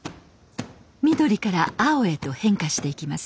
緑から青へと変化していきます。